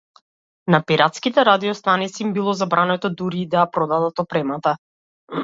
На пиратските радио-станици им било забрането дури и да ја продадат опремата.